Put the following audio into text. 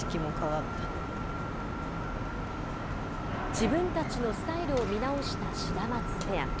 自分たちのスタイルを見直したシダマツペア。